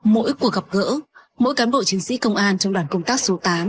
mỗi cuộc gặp gỡ mỗi cán bộ chiến sĩ công an trong đoàn công tác số tám